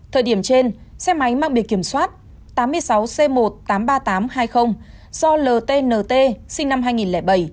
thời điểm trên xe máy mang biệt kiểm soát tám mươi sáu c một trăm tám mươi ba nghìn tám trăm hai mươi do ltnt sinh năm hai nghìn bảy